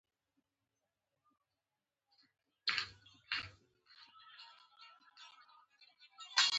عمرمې ستا د څورنګینوشپو په پښوکې ورک کړ